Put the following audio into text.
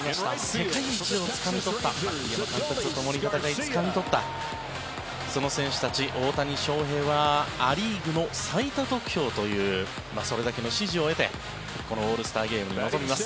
世界一をつかみ取った栗山監督とともに戦いつかみ取ったその選手たち大谷翔平はア・リーグの最多得票というそれだけの支持を得てオールスターゲームに臨みます。